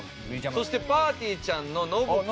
そしてぱーてぃーちゃんの信子。